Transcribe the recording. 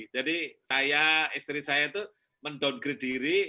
jadi saya istri saya itu mendowngrade diri